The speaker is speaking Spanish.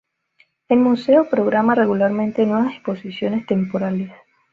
El museo programa regularmente nuevas exposiciones temporales.